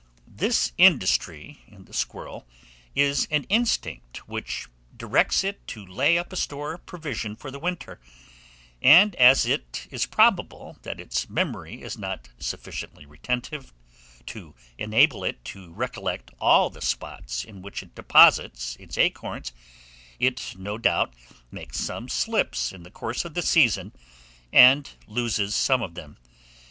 This industry in the squirrel is an instinct which directs it to lay up a store of provision for the winter; and as it is probable that its memory is not sufficiently retentive to enable it to recollect all the spots in which it deposits its acorns, it no doubt makes some slips in the course of the season, and loses some of them.